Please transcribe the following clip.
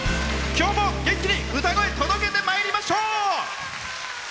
今日も元気に歌声届けてまいりましょう！